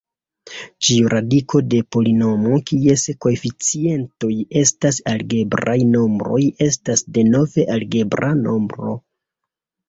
Ĉiu radiko de polinomo kies koeficientoj estas algebraj nombroj estas denove algebra nombro.